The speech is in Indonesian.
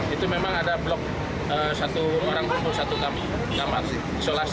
itu memang ada blok satu orang untuk satu kamar isolasi